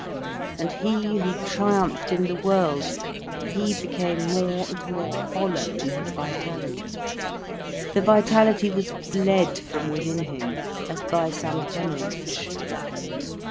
And he, who triumphed in the world, he became more and more hollow in his vitality, the vitality was bled from within him, as by some hæmorrhage.